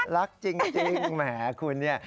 รักจริงแหมคุณเนี่ย